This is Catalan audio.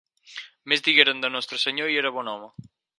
Més digueren de Nostre Senyor i era bon home.